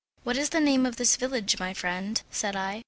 "What is the name of this village, my friend?" said I.